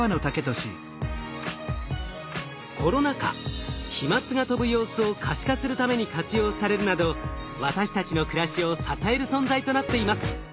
コロナ禍飛まつが飛ぶ様子を可視化するために活用されるなど私たちの暮らしを支える存在となっています。